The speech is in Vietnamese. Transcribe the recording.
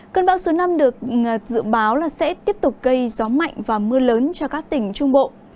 cơn bão số năm được dự báo là sẽ tiếp tục gây gió mạnh và mưa lớn cho các tỉnh trung bộ